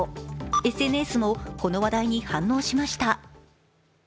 ＳＮＳもこの話題に反応しました。